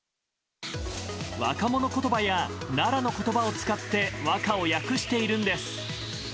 若者言葉や奈良の言葉を使って和歌を訳しているんです。